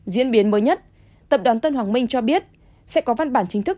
diễn biến mới nhất tập đoàn tân hoàng minh cho biết sẽ có văn bản chính thức